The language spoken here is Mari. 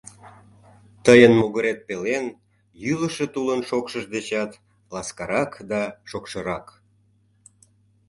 Тыйын могырет пелен йӱлышӧ тулын шокшыж дечат ласкарак да шокшырак.